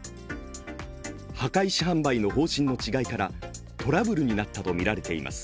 墓石販売の方針の違いからトラブルになったとみられています。